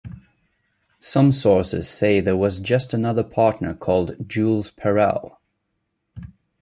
Some sources say there was just another partner called Jules Perel.